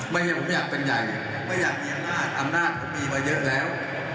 ไม่ใช่ผมอยากเป็นใหญ่ผมไม่อยากมีอำนาจอำนาจผมมีมาเยอะแล้ว